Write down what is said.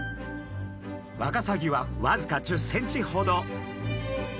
ワカサギはわずか１０ｃｍほど。